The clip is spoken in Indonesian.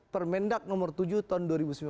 permendak nomor tujuh tahun dua ribu sembilan belas